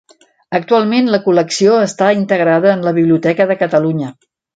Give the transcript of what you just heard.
Actualment la col·lecció està integrada en la Biblioteca de Catalunya.